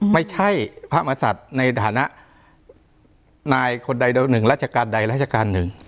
ไม่ใช่พระมศัตริย์ในฐานะนายคนใดโดยหนึ่งราชการใดราชการหนึ่ง